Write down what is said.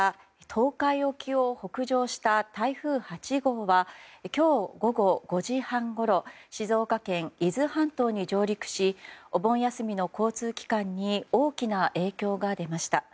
東海沖を北上した台風８号は今日、午後５時半ごろ静岡県伊豆半島に上陸しお盆休みの交通機関に大きな影響が出ました。